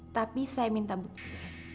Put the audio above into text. tapi saya minta bukti